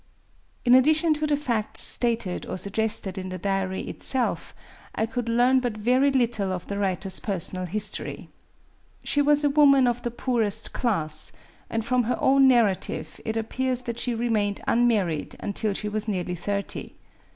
In addition to the facts stated or suggested in the diary itself, I could learn but very little of the writer's personal history. She was a woman of the poorest class ; and from her own narrative it appears that she remained unmarried until she was nearly thirty.